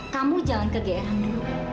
kamu jangan kegerang dulu